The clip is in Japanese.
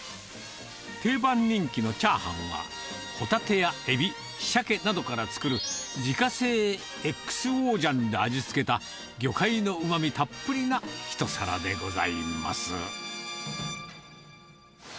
定番人気のチャーハンは、ホタテやエビ、シャケなどから作る自家製ＸＯジャンで味付けた、魚介のうまみたっぷりな一皿でございます。